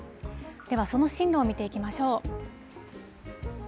では、その進路を見ていきましょう。